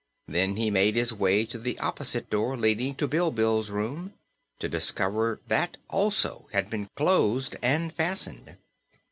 Then he made his way to the opposite door, leading to Bilbil's room, to discover that also had been closed and fastened.